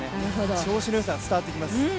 調子の良さが伝わってきます。